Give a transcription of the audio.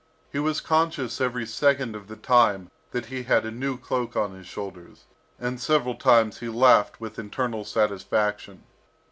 He was conscious every second of the time that he had a new cloak on his shoulders, and several times he laughed with internal satisfaction.